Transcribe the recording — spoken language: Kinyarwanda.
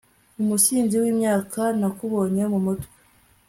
Umusizi wimyaka nakubonye mumutwe